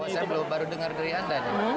saya baru dengar dari anda nih